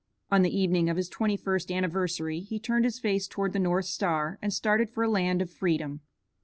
On the evening of his twenty first anniversary he turned his face toward the North star, and started for a land of freedom.